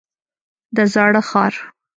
د زاړه ښار.